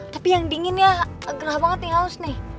tapi yang dingin ya gerah banget nih haus nih